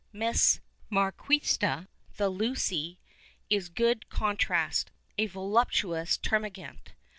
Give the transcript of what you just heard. Miss Marqucsita, the Lucy, is a good contrast, a voluptuous termagant.